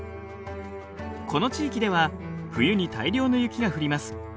この地域では冬に大量の雪が降ります。